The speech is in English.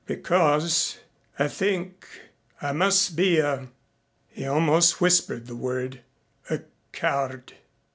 "Because I think I must be a" he almost whispered the word "a coward."